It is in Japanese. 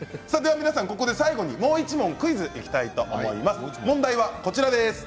最後にもう１問クイズいきたいと思います。